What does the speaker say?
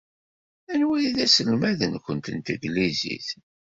Anwa ay d aselmad-nwent n tanglizit?